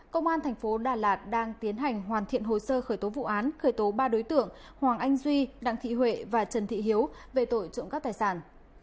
công an thành phố đà lạt đang tiến hành hoàn thiện hồ sơ khởi tố vụ án khởi tố ba đối tượng hoàng anh duy đặng thị huệ và trần thị hiếu về tội trộm cắp tài sản